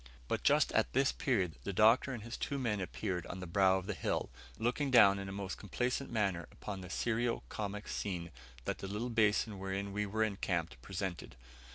But just at this period the Doctor and his two men appeared on the brow of the hill, looking down in a most complacent manner upon the serio comic scene that the little basin wherein we were encamped presented.